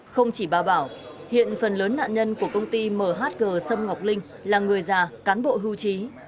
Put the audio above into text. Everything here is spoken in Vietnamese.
không chỉ bà bảo hiện phần lớn nạn nhân của công ty mhg sâm ngọc linh là người già cán bộ hưu trí